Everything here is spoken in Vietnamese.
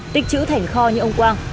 tịch chữ thành kho như ông quang